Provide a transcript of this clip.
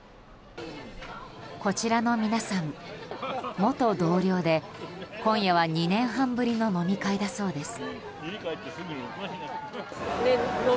こちらの皆さん、元同僚で今夜は２年半ぶりの飲み会だそうです。